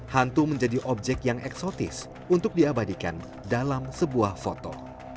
hantu menjadi objek yang eksotis untuk diabadikan dalam sebuah foto